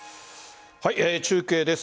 中継です。